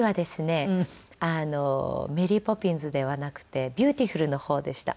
『メリー・ポピンズ』ではなくて『ビューティフル』の方でした。